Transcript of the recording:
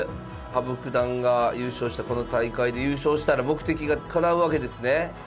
羽生九段が優勝したこの大会で優勝したら目的がかなうわけですね。